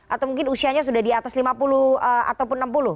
atau mungkin usianya sudah di atas lima puluh ataupun enam puluh